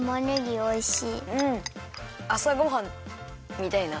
あさごはんみたいな。